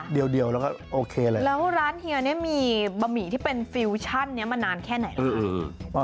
เดียวแล้วก็โอเคเลยแล้วร้านเฮียเนี่ยมีบะหมี่ที่เป็นฟิวชั่นนี้มานานแค่ไหน